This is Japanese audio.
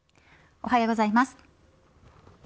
おはようございます。